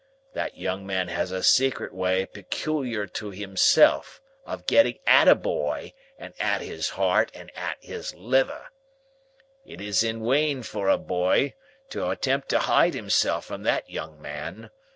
That young man has a secret way pecooliar to himself, of getting at a boy, and at his heart, and at his liver. It is in wain for a boy to attempt to hide himself from that young man.